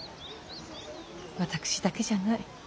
私だけじゃない。